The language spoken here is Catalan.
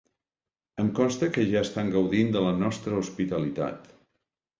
Em consta que ja estan gaudint de la nostra hospitalitat.